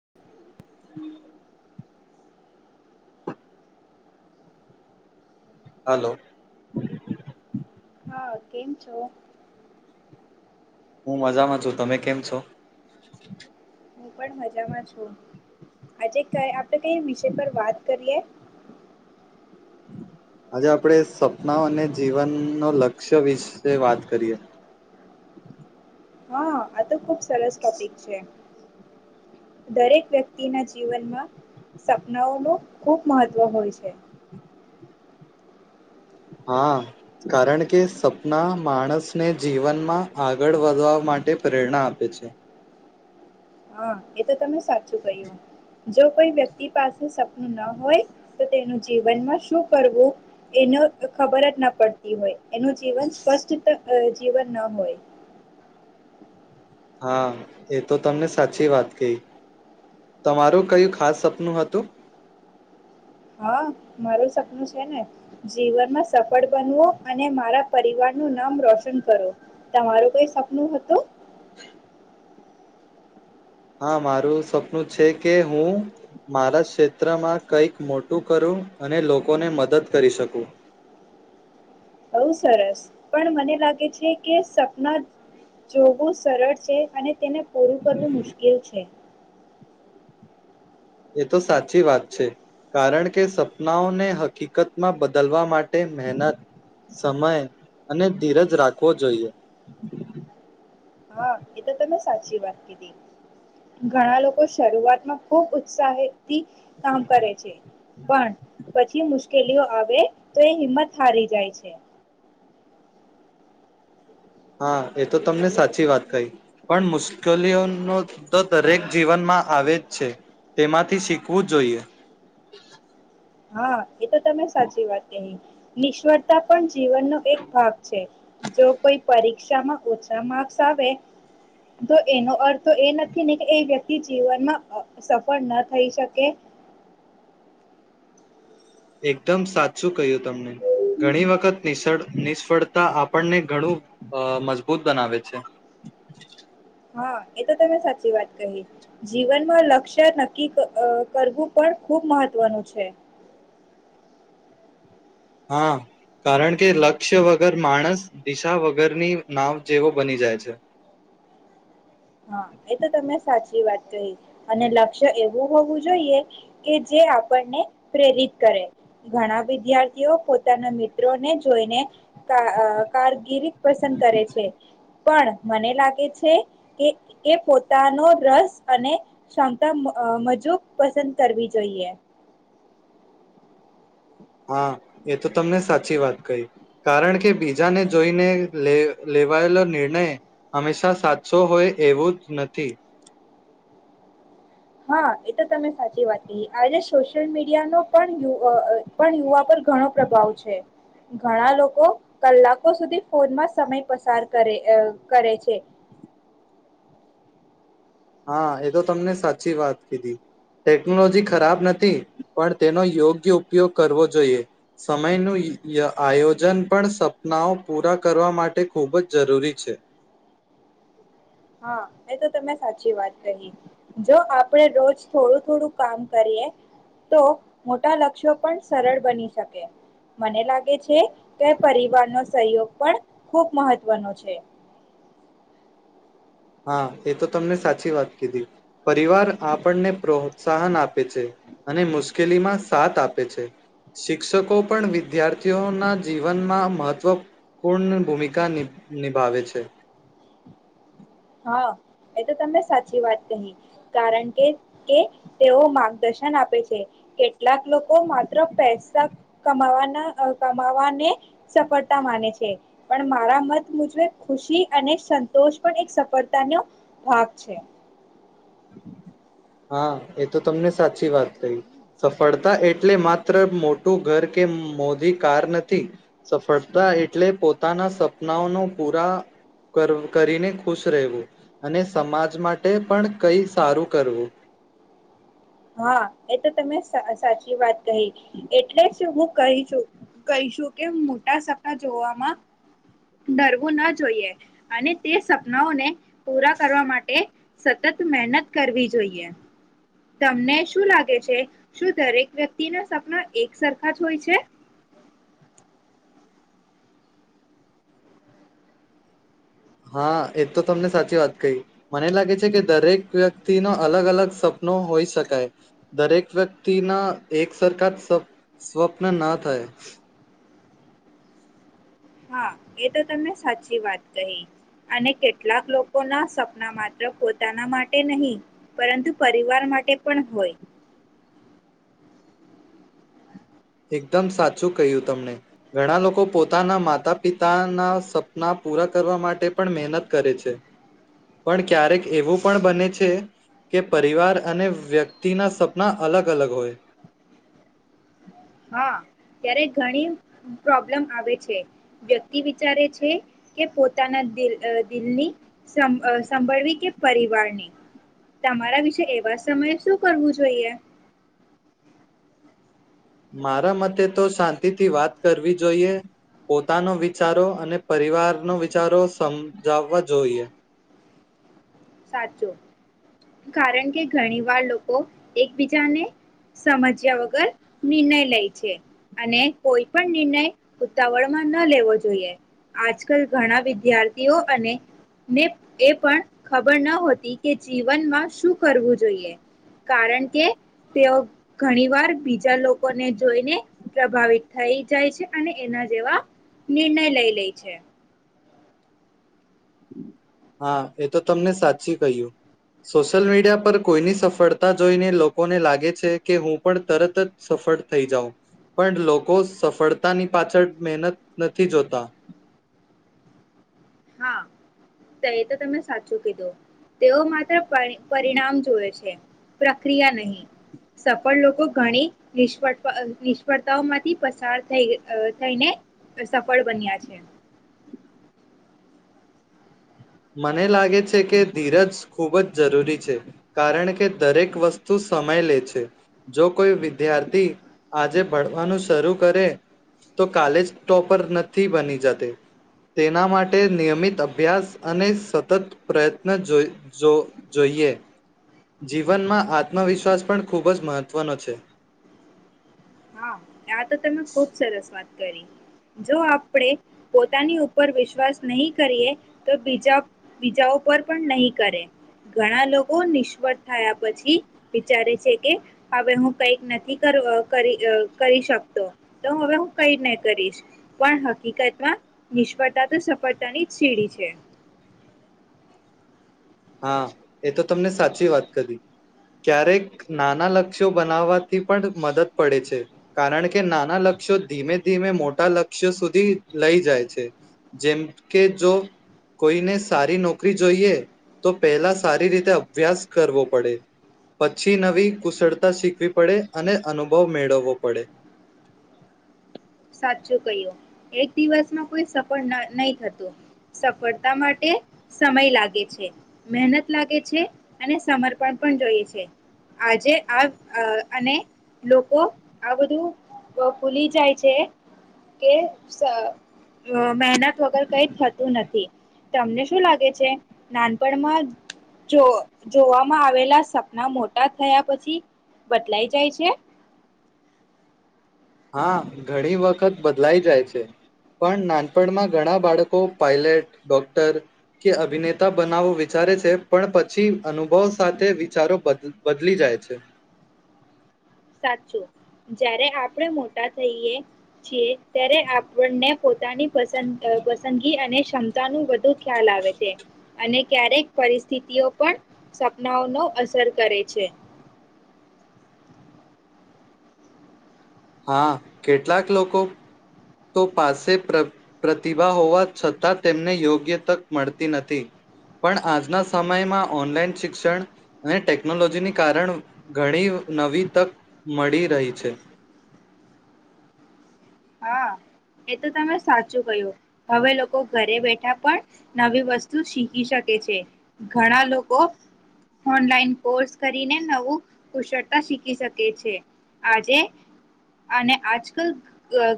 [inaudible] હાલો. હા કેમ છો. હું મજામાં છું તમે કેમ છો? હું પણ મજામાં છું આજે ક આપડે કઈ વિષય પર વાત કરીએ. આજે આપણે સપના અને જીવનનો લક્ષ્ય વિશે વાત કરીએ. હ હ, આ તોહ ખુબ સરસ ટોપિક છે. દરેક વ્યક્તિ તેના જીવનમાં સપનાઓ નો ખૂબ મહત્વ હોય છે. હા કારણ કે સપના માણસને જીવનમાં આગળ વધવા માટે પ્રેરણા આપે છે. હા એ તો તમે સાચું કહ્યું જો કોઈ વ્યક્તિ પાસે સપનું ના હોય. તો તેનું જીવનમાં શું કરવું એને ખબર જ ના પડતી હોય એનું જીવન સ્પષ્ટ જીવન ના હોય. હા એ તો તમને સાચી વાત કહી તમારું કયું ખાસ સપનું હતું. હા મારું સપનું છે ને જીવનમાં સપ ફડ બનવો અને મારા પરિવાર નું નામ રોશન કરો તમારું કઈ સપનું હતું. હા મારું સપનું છે કે હું મારા ક્ષેત્રમાં કંઈક મોટું કરું અને લોકોને મદદ કરી શકું. બો સરસ પણ મને લાગે છે કે સપના જોવું સરળ છે અને તેને પૂરું કરવું મુશ્કેલ છે એ તો સાચી વાત છે કારણ કે સપનાઓને હકીકતમાં બદલવા માટે મહેનત, સમય અને ધીરજ રાખવો જોઈએ હા એ તો તમે સાચી વાત કીધી ઘણા લોકો શરૂઆતમાં ખુબ ઉત્સાહિત કામ કરે છે, પણ પછી મુશ્કે ઉકેલીઓ આવે તો એ હિંમત હારી જાય છે હા, એ તો તમને સાચી વાત કહી પણ મુશ્કેલીઓનો તો દરેક જીવનમાં આવે જ છે, તેમાંથી શીખવું જ જોઈએ હા એ તો તમે સાચી વાત કહી નિષ્વળતા પણ જીવન નો એક ભાગ છે જો કોઈ પરિક ક્ષામાં ઓછા માર્ક્સ આવે તો એનો અર્થ એ નથી ને કે એ વ્યક્તિ જીવનમાં સફળ ન થઈ શકે એકદમ સાચું કહ્યું તમને ઘણી વખત નિશળ નિષ્ફળતા આપણને ઘણું મજબૂત બનાવે છે હા એ તો તમે સાચી વાત કહી જીવનમાં લક્ષ્ય નક્કી કરવું પણ ખુબ મહત્વનું છે હા, કારણ કે લક્ષ્ય વગર માણસ દિશા વગરની નાવ જેવો બની જાય છે હા, એ તો તમે સાચી વાત કહી અને લક્ષ્ય એવું હોવું જોઈએ કે જે આપણને પ્રેરિત કરે ઘણા વિદ્યાર્થીઓ પોતાના મિત્રોને જોઈને કારગિરી પસંદ કરે છે પણ મને લાગે છે કે એ પોતાનો રસ અને ક્ષમતા મજૂબ પસંદ કરવી જોઈએ હા, એ તો તમને સાચી વાત કહી કારણ કે બીજાને જોઈનેે લેવાયેલો નિર્ણય હંમેશા સાચો હોય એવું જ નથી હા, એ તો તમે સાચી વાત કહી આ સોશિયલ મીડિયા નો પણ યુ અ અ પણ યુવા પર ઘણો પ્રભાવ છે ઘણા લોકો કલાકો સુધી ફોનમાં સમય પસાર કરે કરે છે હા, એ તો તમને સાચી વાત કીધી ટેકનોલોજી ખરાબ નથી પણ તેનો યોગ્ય ઉપયોગ કરવો જોઈએ સમયનું આયોજન પણ સપનાઓ પૂરા કરવા માટે ખૂબ જ જરૂરી છે હા, એ તો તમે સાચી વાત કહી જો આપણે રોજ થોડું થોડું કામ કરીએ તો મોટા લક્ષ્યો પણ સરળ બની શકે મને લાગે છે કે પરિવારનો સહયોગ પણ ખૂબ મહત્વનો છે હા એ તો તમને સાચી વાત કીધી, પરિવાર આપણને પ્રોત્સાહન આપે છે અને મુશ્કેલીમાં સાથ આપે છે, શિક્ષકો પણ વિદ્યાર્થીઓના જીવનમાં મહત્ત્વપૂર્ણ ભૂમિકા નિભાવે છે. હા એ તો તને સાચી વાત કહી, કારણ કે કે તેઓ માર્ગદર્શન આપે છે કેટલાક લોકો માત્ર પૈસા કમાવાના કમાવાને, સફળતા માને છે પણ મારા મત મુજબ ખુશી અને સંતોષ પણ એક સ પડતાનો ભાગ છે. હા એ તો તમને સાચી વાત કહી, સફળતા એટલે માત્ર મોટું ઘર કે મોધ કાર નથી, સફળતા એટલે પોતાના સપનાઓનો પૂરા કરીને ખુશ રહેવું, અને સમાજ માટે પણ કંઈ સારું કરવું. હા એ તો તમે સાચી વાત કહી, એટલે હું કહીશું કહીશું કે મોટા સપના જોવામાં, ડરવું ના જોઈએ, અને તે સપનાઓને પૂરા કરવા માટે સતત મહેનત કરવી જોઈએ. તમને શું લાગે છે શું દરેક વ્યક્તિના સપના એક સરખા જ હોય છે? હા એ તો તમને સાચી વાત કહી, મને લાગે છે કે દરેક વ્યક્તિના અલગ અલગ સ્વપ્નો હોઈ શકાય, દરેક વ્યક્તિના એકસરખા સ્વપ્ન ના થાય. હા એ તો તમે સાચી વાત કહી, અને કેટલાક લોકોના સપના માત્ર પોતાના માટે નહી, પરંતુ પરિવાર માટે પણ હોય. એકદમ સાચું કહ્યું તમને, ઘણા લોકો પોતાના માતા પિતાના સપના પૂરા કરવા માટે પણ મહેનત કરે છે, પણ ક્યારેક એવું પણ બને છે, કે પરિવાર અને વ્યક્તિના સપના અલગ અલગ હોય. હા ત્યારે ઘણી પ્રોબ્લમ આવે છે, વ્યક્તિ વિચારે છે કે પોતાના દિલ દિલની સં સંંભળવી કે પરિવારની, તમારા વિશે એવા સમયે શું કરવું જોઈએ? મારા મતે તો શાંતિથી વાત કરવી જોઈએ, પોતાનો વિચારો અને પરિવારનો વિચારો સમજાવવા જોઈએ. સાચું, કારણ કે ઘણી વાર લોકો એકબીજાને સમજ્યા વગર નિર્ણય લે છે, અને કોઈ પણ નિર્ણય ઉતાવળમાં ન લેવો જોઈએ, આજકાલ ઘણા વિદ્યાર્થીઓ અને ને એ પણ ખબર ન હોતી કે જીવનમાં શું કરવું જોઈએ, કારણ કે તેઓ ઘણી વાર બીજા લોકોને જોઈને પ્રભાવિત થઈ જાય છે અને એના જેવા નિર્ણય લઈ લે છે. હા એ તો તમને સાચી કહ્યું, સોશિયલ મીડિયા પર કોઈની સફળતા જોઈને લોકોને લાગે છે કે હું પણ તરત જ સફળ થઈ જાઉં, પણ લોકો સફળતાની પાછળ મહેનત નથી જોતા. હા, તે એ તો તમે સાચું કીધું, તેઓ માત્ર પરિણામ જોવે છે, પ્રક્રિયા નહી, સફળ લોકો ઘણી નિષ્ફળ નિષ્ફળતાઓ માંથી પસાર થઈ થઈને સફળ બન્યા છે. મને લાગે છે કે ધીરજ ખૂબ જ જરૂરી છે, કારણ કે દરેક વસ્તુ સમય લે છે, જો કોઈ વિદ્યાર્થી આજે ભણવાનું શરૂ કરે તો કાલેજ ટોપર નથી બની જતે, તેના માટે નિયમિત અભ્યાસ અને સતત પ્રયત્ન જોઈએ, જીવનમાં આત્મવિશ્વાસ પણ ખૂબ જ મહત્વનો છે. હા આ તો તમે ખુબ સરસ વાત જો આપણેે પોતાની ઉપર વિશ્વાસ નહી કરીએ તો બીજા બીજા ઉપર પણ નહી કરે, ઘણા લોકો નિષ્ફળ થયા પછી વિચારે છે કે, હવે હું કઈક નથી કર કરી કરી શકતો, તો હવે હું કઈ નહી કરીશ, પણ હકીકતમાં નિષ્ફળતા તો સફળતાની જ સીડી છે. હા એ તો તમને સાચી વાત કરી, ક્યારેક નાના લક્ષ્યો બનાવવાથી પણ મદદ પડે છે, કારણ કે નાના લક્ષ્યો ધીમે ધીમે મોટા લક્ષ્યો સુધી લઈ જાય છે, જેમ કે જો કોઈને સારી નોકરી જોઈએ તો પહેલા સારી રીતે અભ્યાસ કરવો પડે, પછી નવી કુશળતા શીખવી પડે અને અનુભવ મેળવવો પડે. સાચું ક્યું, એક દિવસમાં કોઈ સફળ નહી થતું, સફળતા માટે સમય લાગે છે મહેનત લાગે છે અને સમર્પણ પણ જોઈએ છે, આજે આ અને લોકો આ બધું ભૂલી જાય છે. કે મહેનત વગર કઈ થતું નથી, તમને શું લાગે છે નાનપણમાં જો જોવામાં આવેલા સપના મોટા થયા પછી બદલાઈ જાય છે? હા ઘણી વખત બદલાઈ જાય છે, પણ નાનપણમાં ઘણા બાળકો પાઇલટ, ડોક્ટર કે અભિનેતા બનાવો વિચારે છે પણ પછી અનુભવ સાથે વિચારો બદલી જાય છે. સાચું, જ્યારે આપણે મોટા થઈએ છીએ ત્યારે આપણને પોતાની પ પસંદગી અને ક્ષમતાનું વધુ ખ્યાલ આવે છે, અને ક્યારેક પરિસ્થિતિઓ પણ સપનાઓનો અસર કરે છે. હા કેટલાક લોકો તો પાસે પ્ર પ્રતિભા હોવા છતાં તેમને યોગ્ય તક મળતી નથી, પણ આજના સમયમાં ઓનલાઈન શિક્ષણ અને ટેકનોલોજીને કારણ ઘણી નવી તક મળી રહી છે. હા એ તો તમે સાચું કહ્યું, હવે લોકો ઘરે બેઠા પણ નવી વસ્તુ શીખી શકે છે, ઘણા લોકો ઓનલાઈન કોર્સ કરીને નવું કુશળતા શીખી શકે છે, આજે અને આજકાલ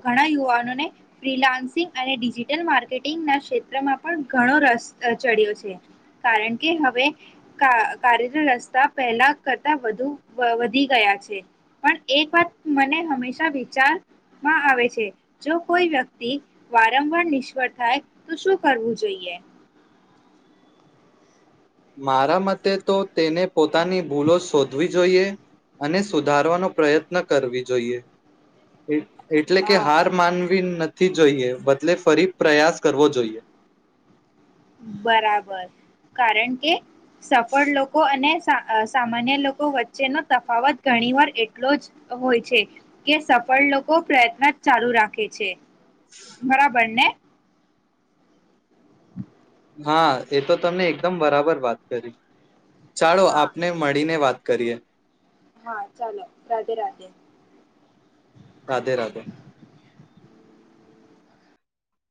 ઘણા યુવાનોને ફ્રીલાન્સિંગ અને ડિજિટલ માર્કેટિંગના ક્ષેત્રમાં પણ ઘણો રસ ચડ્યો છે, કારણ કે હવે કાર્યરત રસ્તા પહેલા કરતા વધુ વધી ગયા છે પણ એક વાત મને હંમેશા વિચાર માં આવે છે, જો કોઈ વ્યક્તિ વારંવાર નિષ્ફળ થાય તો શું કરવું જોઈએ? મારા મતે તો તેને પોતાની ભૂલો શોધવી જોઈએ અને સુધારવાનો પ્રયત્ન કરવી જોઈએ. એટલે કે હા હાર માનવી નથી. થી જોઈએ બદલે ફરી પ્રયાસ કરવો જોઈએ. બરાબર કારણ કે સફળ લોકો અને સામાન્ય લોકો વચ્ચેનો તફાવત ઘણી વાર એટલો જ હોય છે, કે સફળ લોકો પ્રયત્ન ચાલુ રાખે છે. બરાબર ને. હા, એ તો તમને એકદમ બરાબર વાત કરી. ચાલો હા આપને મળીને વાત કરીએ. હા, ચાલો રાધે રાધે. રાધે રાધે.